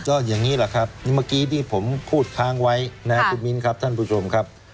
ก็อย่างนี้แหละครับนี่เมื่อกี้ที่ผมพูดค้างไว้นะครับคุณมิ้นครับท่านผู้ชมครับ